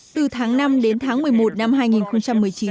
từ tháng năm đến tháng một mươi một năm hai nghìn một mươi chín